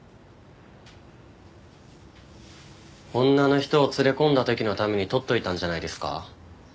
女の人を連れ込んだ時のためにとっておいたんじゃないですか。